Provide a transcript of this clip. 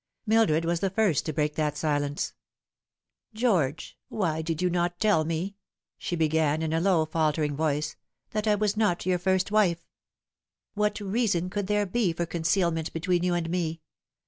Mildred was the first to break that silence. " George, why did you not tell me," she began in a low fal tering voice, " that I was not your first wife ? "What reason could there be for concealment between you and me